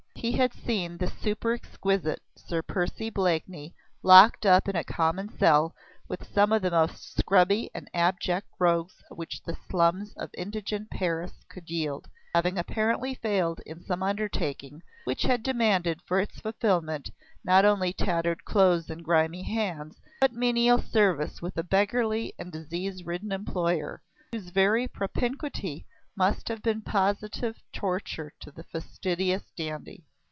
He had seen the super exquisite Sir Percy Blakeney locked up in a common cell with some of the most scrubby and abject rogues which the slums of indigent Paris could yield, having apparently failed in some undertaking which had demanded for its fulfilment not only tattered clothes and grimy hands, but menial service with a beggarly and disease ridden employer, whose very propinquity must have been positive torture to the fastidious dandy.